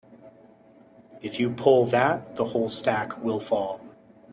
If you pull that the whole stack will fall.